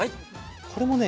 これもね